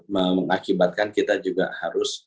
mengakibatkan kita juga harus